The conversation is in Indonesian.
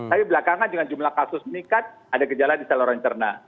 tapi belakangan dengan jumlah kasus meningkat ada gejala di saluran cerna